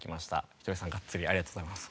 ひとりさんガッツリありがとうございます。